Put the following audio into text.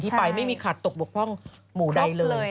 ไปไม่มีขาดตกบกพร่องหมู่ใดเลย